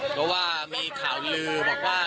เพราะว่ามีข่าวลือบอกว่า